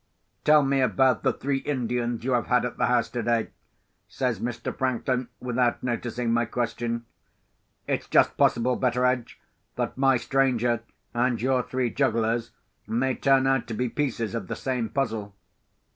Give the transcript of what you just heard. "Tell me about the three Indians you have had at the house today," says Mr. Franklin, without noticing my question. "It's just possible, Betteredge, that my stranger and your three jugglers may turn out to be pieces of the same puzzle."